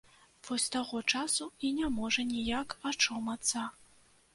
Вось з таго часу і не можа ніяк ачомацца.